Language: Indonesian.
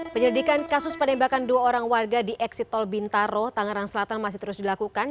penyelidikan kasus penembakan dua orang warga di eksit tol bintaro tangerang selatan masih terus dilakukan